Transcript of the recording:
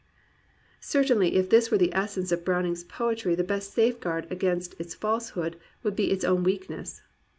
'* Certainly if this were the essence of Browning's poetry the best safeguard against its falsehood would be its own weakness.